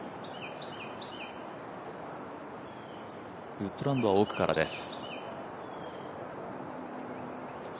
ウッドランドは奥からです。